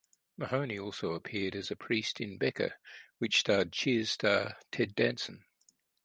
Mahoney also appeared as a priest in "Becker" which starred "Cheers" star Ted Danson.